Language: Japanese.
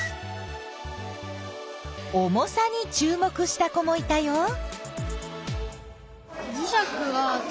重さにちゅう目した子もいたよ。